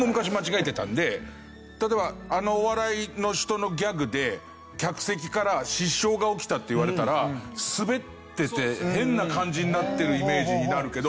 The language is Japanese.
例えば「あのお笑いの人のギャグで客席から失笑が起きた」って言われたらスベってて変な感じになってるイメージになるけど。